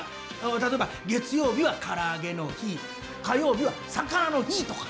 例えば、月曜日はから揚げの日、火曜日は魚の日とか。